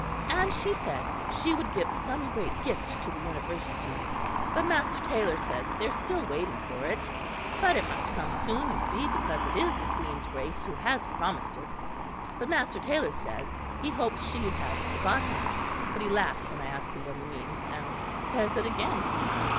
And she said she would give some great gift to the University; but Master Taylor says they are still waiting for it; but it must come soon, you see, because it is the Queen's Grace who has promised it; but Master Taylor says he hopes she has forgotten it, but he laughs when I ask him what he means, and says it again."